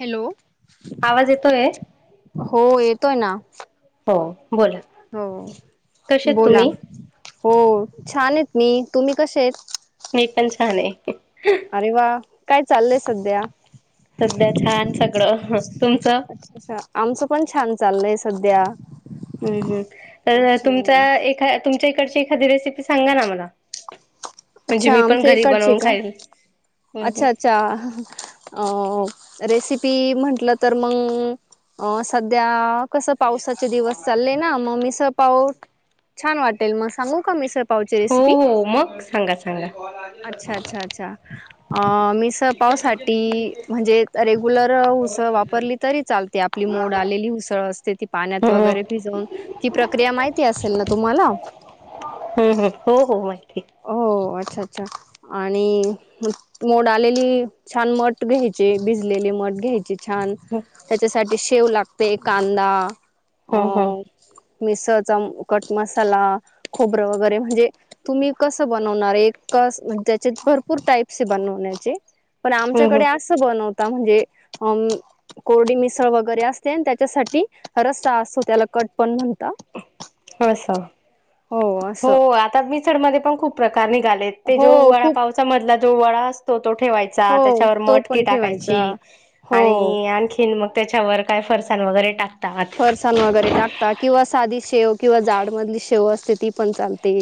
Hello. आवाज येतोय. हो येतोय ना. हो. बोला हो कसे आहेत बोला. तुम्ही? हो छान आहेत मी तुम्ही कसे आहेत. मी पण छान आहे. अरे वा. काय चालय सध्या. सध्या छान सगळं. तुमचं. अच्छा अच्छा आमचं पण छान चाललंय सध्या. हम हम तर अच्छा तुमचा एका तुमचा. तशी एखादी रेसिपी सांगा ना मला. म्हणजे अच्छा मी पण आमच्या घरी इकडची बनवून का खाईल. हम्म हम्म. अच्छा अच्छा अ रेसिपी म्हंटलं तर मग अ सध्या. कसं पावसाचे दिवस चाललेय ना मग मीसळ पाऊ. छान वाटेल मग सांगू का मी स. हो हो मग सांगायचे. अच्छा! अच्छा! अच्छा! अ मिसळ पाव साटी म्हणजे रेग्युलर उसळ वापरली तरी चालते. आपली मोड आलेली हुसळ असते, ती पाण्यात हम्म हम्म वगैरे भिजवून ती प्रक्रिया माहिती असेल ना तुम्हाला? हम्म हम्म हो हो माहिती. हो अच्छा. च्छा आणि मोड आलेली छान मठ घ्यायचे भिजलेले मठ घ्यायचे छान हम्म त्याच्या साठी [unintelligible] लागतंय कांदा. हम्म हम्म. अ मिसळचा अ कटमसाला खोबरं वगैरे म्हणजे तुम्ही कसं बनवणार एक कस म्ह त्याचे भरपूर टाईप्सय बनवण्याचे. पण हम्म आमच्याकडे आसं बनव म्हंजे अ कोरडी मिसळ वगैरे असतेन त्याच्यासाठी रस्सा असतो त्याला कट पण म्हण अस. हो आता मी [unintelligible] मध्ये पण खूप प्रकार [unintelligible] ते ज्यो हो वडा खूप पावचा मधला जो वळा असतो तो ठेवायचा हो त्याच्यावर तो मटकी पण ठेवायचा टाकायची हो आणि आणखीन मगं त्याच्यावर काय फरसान वगैरे टाक फरसाण वगैरे टाकता किंवा साधी शेव किंवा जाडमधली शेव असते ती पण चालतें.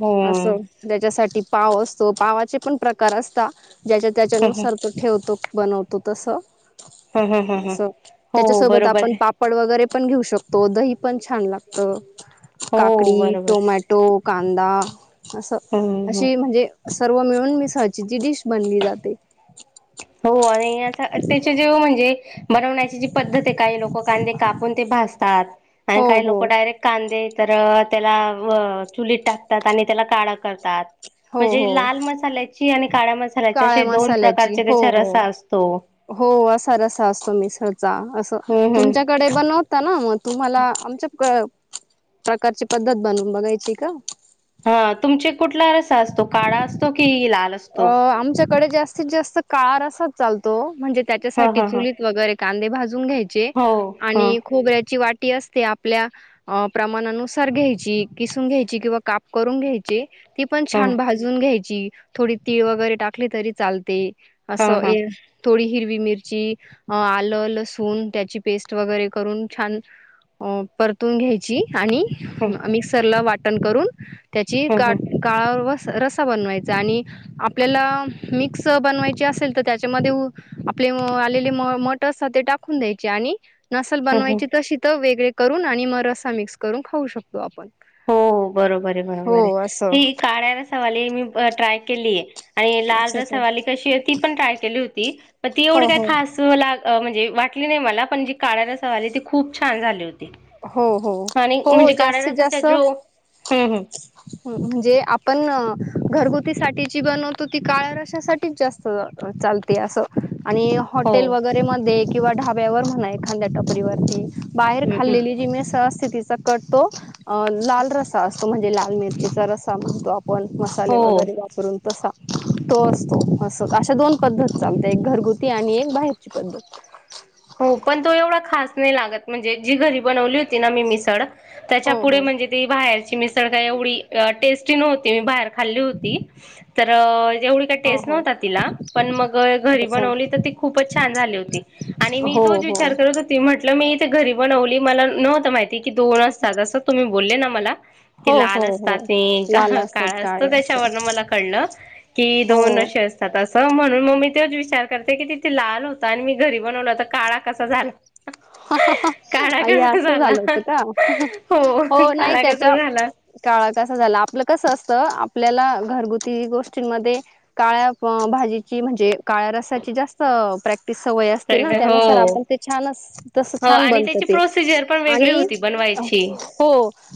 हो हम्म असं ज्याच्यासाठी पाव असतो पावाचे पण प्रकार असतां ज्याच्या हम्म त्याच्यानुसार तो ठेवतो. बनवतो तसं हम्म हम्म हम्म असं हो त्याच्यासोबत बरोबर आपण आहे. पापड वगैरे पण घेऊ शकतो दही पण छान लागतं. हो काकडी बरोबर टोमॅटो कांदा. असं हम्म हम्म अशी म्हंजे सर्व मिळून मिसळची जी डिश बनली जाते. हो. आणि अस त्याचे जेव म्हंजे बनवण्याची जी पद्धत आहे काही लोक कांदे कापून ते भाज तात. आणि हो काही हो लोक डायरेक्ट कांदे तर त्याला व्ह चुलीत टाकतात आणि त्याला काळा करतात. हो म्हणजे हो लाल मसाल्या की आणि काळा मसाल्याचे असे दोन ची प्रकारचे हो त्याचा हो रसा असतो. हो असा रसा असतो मीक्स असं हम्म हम्म तुमच्याकडे बनवता ना म तुम्हाला आमच्यात क प्रकारची पद्धत बनवून बघायची का? हा तुमचे कुठला रसा असतो काळा असतो की, अ आमच्याकडे जास् जास्तीत जास्त काळ असाच चालतो. म्हणजे हा त्याच्यासाठी हा हा चुलीत वगैरे कांदे भाज जुन घ्यायचे हो हा आणि खोबऱ्याची वाट ती असते आपल्या प्रमाणानुसार घ्यायची किसून घ्यायची किंवा काप करून घ्यायची ती पण हा छान भाजून घ्याय ची थोडी तीळ वगैरे टाकली तरी चालते. हा असं हा थोडी हिर हिरवी मिरची आलं लसूण त्याची पेस्ट वगैरे करून छान परतून घ्यायची. आणि ह मिक्सरला वाट टन करून त्याची ह का काळवर रसा बनवायचा आणि आपल्याला मिक्स बनवायची असेल तर त्याच्यामध्ये आपले आलेले म मट असत ते टाकून द्यायचे आणि नसल ह ह बनवायची तशी त वेगळे करून आणि मग रसा मिक्स करून खाऊ शकतो आपण. हो बरोबर आहे हो बरोबर आहे असं. ही काला रस्सा वाले मी ट्राय केलीय. आणि लाल अच्छा अच्छा. रसावाली कशी ती पण ट्राय केली होती मग ती एवढी हो काय हो खास लाग अ म्हणजे वाटली नाही मला पण जी काळ्या रस्सावाली ती खूप छान झाले होत हो हो हो जास्तीत जास्त रसाचा सो जो हम्म हम्म हं म्हणजे आपण घरगुती साठी जी बनवतो ती काळ रशासाठीच जास्त चालते असं आणि हो हॉटेल वगैरे मध्ये किंवा ढाब्यावर म्हणा एखांद्या टपरीवरती हम्म हम्म खाल्लेली जीं मिसळ असते तीच स करतो अ लाल रसा अस तो म्हणजे लाल मिरचीचा रसा म्हणतो आप पण मसाले हो वगैरे वापरून तसा तो असतो असं अशा दोन पद्धत चालत एक घरगुती आणि एक बाहेरची पद्धत. हो पण तो एवढा खास नाही लागत म्हणजे जी घरी बनवली होती ना मी मिसळ त्याच्या हो पुढे हो म्हणजे ती बाहेरची मिस त काय एवढी टेस्टी नव्हती मी बाहेर खाल्ली होती [unintelligible] एवढी काही हो टेस्ट हो नव्हता तिला पण मग घरी अच्छा बनवली तर ती खूपच छान झाली होती. की मी हो तोच हो विचार करत होती म्हटलं मी इथे घरी बनवली मला नव्हत माहित की दोनज सात तुम्ही बोलले ना मला कि हो लाल हो हो असतात ते लाल असतात काळ असतो काळे असतात त्याच्यावर मला कळलं की हो दोन असे असतात असे त म्हणून मग ममी तेच विचार करते की तिथे लाल होता आणि मी घरी बनवला तो काळा कसा झाला. हा हा हा काळा अय्या कसा असं झाला झालं होतं का हो नाही काळा त्याच्या कसा झाला काळात असं झालं आपलं कसं असतं आप आपल्याला घरगुती गोष्टींमध्ये काळ्या भाजीची म्हणजे काळ्या रस्याची जास्त प्रॅक्टिस सवय असते ना त्यानुसार हो आपण ते छानच अस हो छान आणि बनत त्याची ते प्रोसिजर पण वेगळी आणि होती बनवायची. हो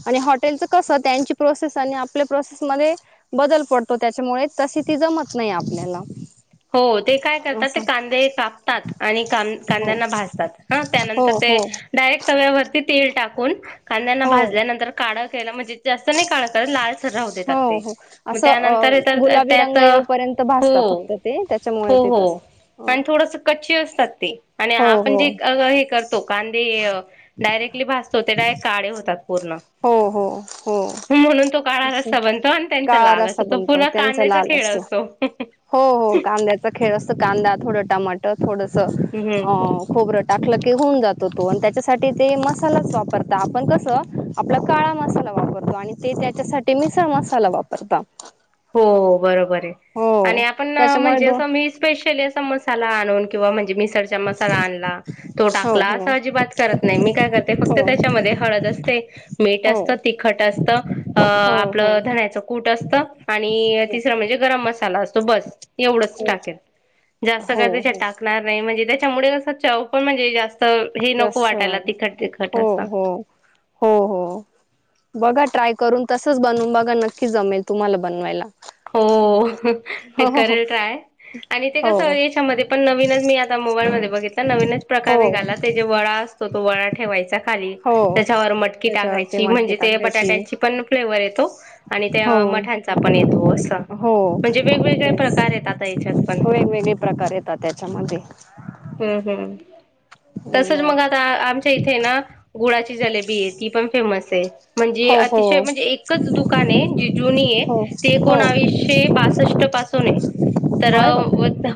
आणि हॉटेल च कसं ते त्यांची प्रोसेस आणि आपल्या प्रोसमध्ये बदल पडतो त्याच्यामुळे तशी ती जमत नाही आपल्याला हो ते काय करतात ते असं कांदे कापतात आणि कां हो कांद्यांना भाजतात हा नंतर हो ते हो डायरेक्ट् तव्यावरती तिळ टाकून कांद्यांना हो भाजल्यानंतर काढ त्याला म्हणजे त्या जास्त नाही काळा काळ लाल हो हो असं अ तर गुलाबी त्यात रंग येऊपर्यंत भासता हो फक्त ते त्याच्यामुळे हो ते हो तस हो आणि थोडस कच्ची असतात. ते आणि हो आपण जे हो हे करतो कांदे अ डायरेक्टली भासतो ते डायरेक्ट काडे होतात पूर्ण हो हो हो म्हणून तो काळा तसं रस्सा बनतो आणि त्यांचा काळा लाल अस रस्सा तो बनतो पूरा त्यांचा कांद्याचा लाल खेळ असतो. हो हो कांद्याचा खेळ असत कांदा थोडं टमाटर थोडं हम्म हं खोबरं टाकलं की होऊन जात होतो तो आणि त्याचच हा ते ते मसालाच वापरता आपण कस आपला काळा मसाला वापरतो आणि ते त्याच्यासाठी मिसळ मसाला वापरता. हो बरोबर आणि हो आपण त्याच्यामुळे म्हणजे अस दोन मी स्पेशली असा मसाला आणूनं ठेवा म्हणजे मिक् तसरचा मसाला आणला तो हो टाकला असा हो अजिबात करत नाही मी काय करते फक्त हो त्याच्यामध्ये हळद असते मीठ हो असत तिखट असत अ हो हो आपलं धण्याच कूट असत. आणि हो तिसरा म्हणजे गरम मसाला असोत बस एवढच हो. टाकेनं जास्त हो काय त्याच्यात हो टाणार नाही म्हणजे त्याच्यामुडे कस चव पण म्हणजे जास्त हे नको जास्त वाटायला आय तिखट तिखट हो असं. हो ही हो बघा ट्राय करून तसच बनवून बघा नक्कीच जमेल तुम्हाला बनवायला. हो ते हो हो करेल ट्राय आणि ते हो कसं याच्यामध्ये पण नवीनच मी आता मोबाईल मध्ये बघित आता नवीनच प्रकार हो निघाला ते जे वळा असतो तो वळा ठेवायचा खा हो हो त्याच्यावर मटकी त्याच्यावरती टाकायची मटकी म्हणजे ते टाकायची बटाट्याची पण फ्लेवर येत आणि हो त्या मठांचा पण येत हो प्रकार आहेत आता तेच याच्यात पण वेगवेगळे प्रकार येतात त्याच्यामध्ये हम्म हम्म तसंच बर मग आता आमच्या इथे ना गुळाची जलेबी आहे ती पण फेमस ते म्हणजे हो हो अतिशय म्हणजे एकच दुकान आहे जी जुनी ये. हो हो एकोणावीशे बासष्ट पासून आहे तर अरे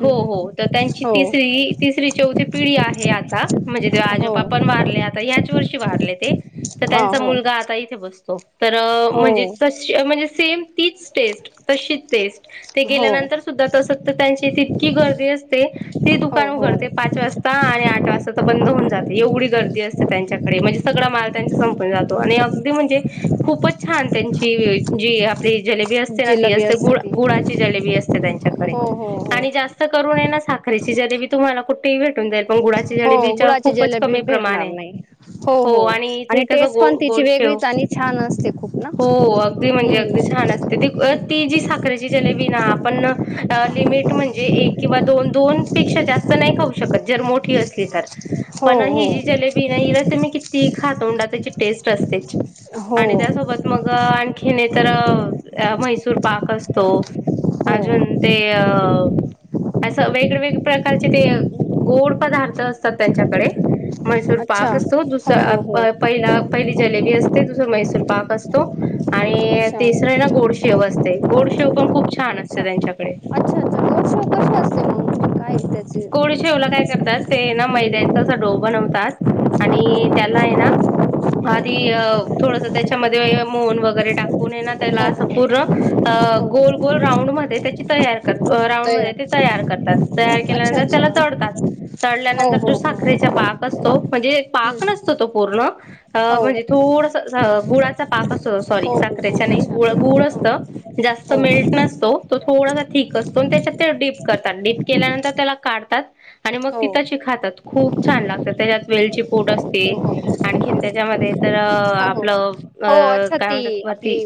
हो हो तर त्यांची हो तिसरी तिसरी चौथी पिढी आहे आता म्हणजे ते हो आजोबा पण वारले आता ह्याच वर्षी वारले ते तर हा त्यांचा हो मुलगा आता त्यो बसतो. तर हो म्हणजे तशी म्हणजे. सेम तीच टेस्ट तशीच टेस्ट ते हो गेल्यानंतर सुद्धा तसं तर त्यांची तितकी गर्दी असते ती हो दुकान हो उघडते पाच वाजता आणि आठ वाजता तर बंद होऊन जाते एवढी गर्दी असते त्यांच्याकडे म्हणजे सगळा माल त्यांचा संपून जातो आणि अगदी म्हणजे खूपच छान त्यांची जी जलेबी असते. ती जिलबी असते गुळ ती गुळाची जलेबी ते त्यांच्याकडे हो हो हो आणि जास्त करून साखर आहे ना साखरीची जलेबी तुम्हाला कुठेही भेटून जाईल. पण गुळाची हो जलेबीच्या गुळाची खूपच जेलेबी कमी प्रमाण भेटणार आहे नाही हो हो आणि इथे कसं टेस्ट गो पण तिची गोडशेव वेगळीच आणि छान असते खूप ना हो अगदी म्हणजे अगदी छान असते ती हम्म. ती जी साखरेची जलेबी ना आपण लिमिट म्हणजे एक किंवा दोन दोन पेक्षा जास्त नाही खाऊ शकतं जर मोठी असली तर हो पण हि जी हो जलेबी ना हिला तुम्ही किती खा तोंडाची त्याची टेस्ट असते. हो आणि त्यासोबत मग आणखी तर अ म्हैसूर पाक असतो हो अजून ते अ असं वेगवेगळ्या प्रकारचे ते गोड पदार्थ असतात त्यांच्याकडे. मैसूर अच्छा पाक असतो हो हो दुसरा हो पहिला पहिली जलेबी असते दुसरा मैसूर पाक असतो. आणि अच्छा तीस गोड शेव असते गोडशेव पण खुप खूप छान असते अच्छा त्यांच्याकडे. अच्छा अच्छा रोड शो कशी असते मग काय त्याचे गोड शेवला काय करतात ते ना हम्म मैद्याचा असं डो बनवता. आणि त्याला आहे ना आधी थोडंसं त्याच्यामध्ये मोहन वगैरे टाकून आहे ना त्याला हो हो हो पूर्ण गोल गोल राउंड मध्ये त्याची तैयार राऊंड मध्ये ते तयार तैयार करतात तैयार त्याला अच्छा अच्छा नंतर तळतात तळल्या हो नंतर जो हो हो साखरचा पाक असतो म्हणजे पाक हम्म नसतो तो पूर्ण हो म्हणजे थोडंसं गुळाचा पाक असं सॉरी हो हो हो साखरेच्या नाही अच्छा गुळ हो गुळ हो [unintelligible] जास्त हो मिळत नसतो. तो थोडासा थीक असतो आणि त्याच्यात ते डीप करतात डीप केल्यानंतर त्याला काढतात आणि मग हो तिथ खातात खूप छान लागतात त्याच्यात वेलची पूड असते हो आणखीन त्याच्यामध्ये तर हो आपलं अ हो अच्छा काय ती म्हणतात वरती आपली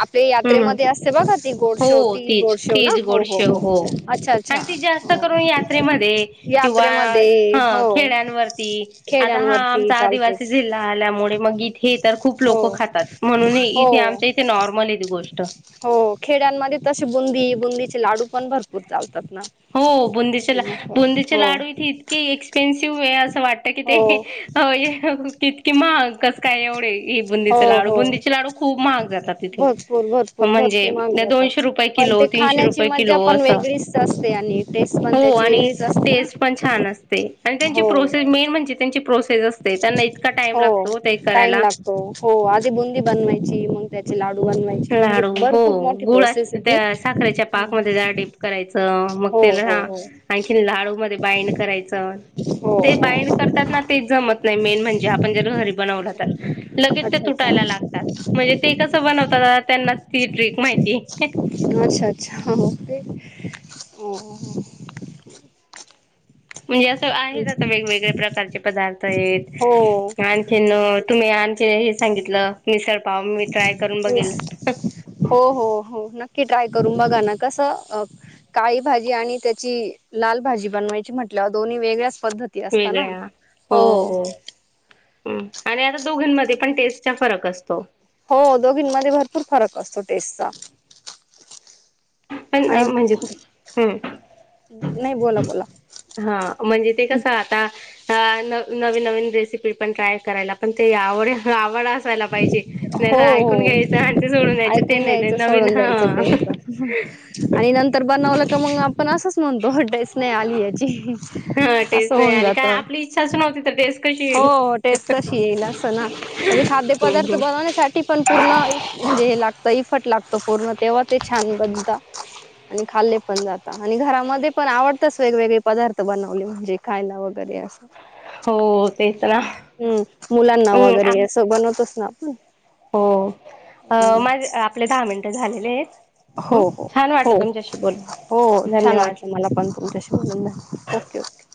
आपले हम्म यात्रेमध्ये असते बघा ती गोडशेव हो ती तीच गोडशेव ना तीच हो हो गोडशेव हो अच्छा अच्छा. आणि ती जास्त हो करून यात्रेमध्ये किंवा यात्रेमध्ये ह हो खेड्यांवरती आता हा खेड्यांवरती आमचा आदिवासी चालतेच जिल्हा आल्यामुळे मगी हे तर खूप हो लोक खातात म्हणून हो इथे आमच्या इथे नॉर्मल आहेे गोष्ट. हो लाडूपण भरपूर चालतात. ना हो बुंदीचे हो बुंदीचे हो लाडू इथे इतके एक्सपेन्सिव्ह आहे असं वाटत की ते हो [unintelligible] की महाग कस काय एवढे हे बुंदीचे हो लाडू हो बुंदीचे लाडू खूप महाग जातात. तिथे भरपूर भरपूर भरपूर माग म्हणजे दोनशे जातात रुपये पण किलो ते तीनशे खाण्याची रुपये मजा किलो पण असं वेगळीच असते आणि टेस्ट पण हो त्याची आणि वेगळीच असते ना टेस्ट पण छान असते. आणि त्यांची हो प्रोसेस मेन म्हणजे ची प्रोस हो टाइम करायला लागतो हो आधी बुंदी बनवायची [unintelligible] म्हणजे लाडू हो भरपूर मोठी गुळा प्रोसेस आहे त्या ती साखरेच्या पाकमध्ये जा [unintelligible] करायचं मग हो त्याला हो आणखी लाडू मध्ये बाइंड करायचं हो ते हो बाइंड हो करतात ना तेच जमत नाही मेन म्हणजे आपण जर घरी बनवलं अच्छा तर लगेच ते अच्छा तुटायला लागतात म्हणजे ते कस बन त्यांनाच ती ट्रिक माहिती. अच्छा अच्छा हो [unintelligible] हो म्हणजे असं आहे हो आता वेगवेगळ्या प्रकारचे पदार्थ हो. आहेत आणखीन तुम्ही आणखी हे सांगितलं निस तेस हो हो हो नक्की ट्राय करून बघा ना कसं काळी भाजी आणि त्याची लाल भाजी बनवायची म्हटल्यावर दोन्ही वेगळ्याच पद्धती असत ना वेगळ्या हो. ह्ं आणि आता दोघांमध्ये पणे तेच चा फरक असतो. हो दोघींमध्ये भरपूर फरक असतो टेस्टचा. पण आणि म्हणजे हम् नाही बोला बोला हा म्हणजे ते कसं आता अ नवीन नवीन रेसिपी पण ट्राय करायला पण ते आवडये आवड असायला पाहिजे हो नाहीतर ऐकून हो घ्यायचं आणि ते सोडून द्यायच ते ऐकून नाही, ते घ्यायचं नवीन सोडून हा द्यायचं ते होत आणि नंतर बनवलं का मग आपण अस आपणच म्हणतो टेस्ट नाही आली याची. हा असं टेस्ट नाही होऊन आली, जात काय आपली इच्छाच नव्हती तर टेस्ट कशी येईल. हो टेस्ट कशी हम्म बवण्यासाठी पण पूर्ण म्हणजे हे लागतं. लागतो पूर्ण तेव्हा ते छान बनता. आणि खाल्ले पण जातात आणि घरामध्ये पण आवडतंच वेगवेगळे पदार्थ बनवले म्हणजे खायला वगैरे असं हो तेच ना हम्म मुलांना हम्म वगैरे अस बनवत [unintelligible] हो, माझ आपले दहा मिनिटं झालेले आहेत. हो हम्म हो छान हो वाटलं तुमच्याशी हो बोलून छान धन्यवाद वाटलं मला पण तुमच्याशी बोलुन. Okay okay.